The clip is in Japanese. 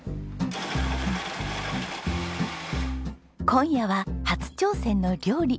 今夜は初挑戦の料理。